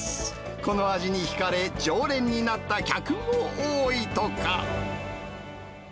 この味に引かれ、常連になった客も多いとか。